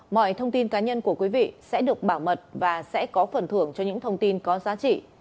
mọi thông tin cá nhân của quý vị sẽ được bảo mật và sẽ có phần thưởng cho những thông tin có giá trị